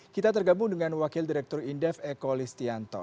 kita tergabung dengan wakil direktur indef eko listianto